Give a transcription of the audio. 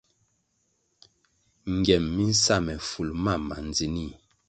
Ngiem mi nsa me ful mam ma ndzinih.